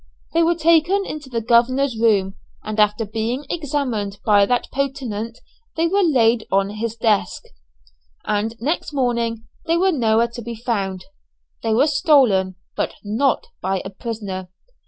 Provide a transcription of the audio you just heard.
They were taken into the governor's room, and after being examined by that potentate they were laid on his desk, and next morning they were nowhere to be found; they were stolen, but not by a prisoner.